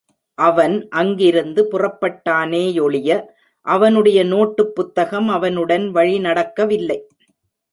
அவன் அங்கிருந்து புறப்பட்டானேயொழிய, அவனுடைய நோட்டுப் புத்தகம் அவனுடன் வழி நடக்கவில்லை.